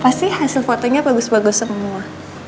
pasti hasil fotonya bagus bagus semua